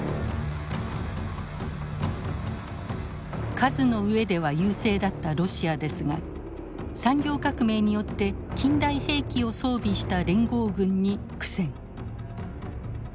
数の上では優勢だったロシアですが産業革命によって近代兵器を装備した連合軍に苦戦。